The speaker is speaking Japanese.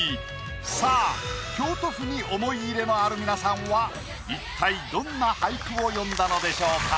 さあ京都府に思い入れのある皆さんは一体どんな俳句を詠んだのでしょうか？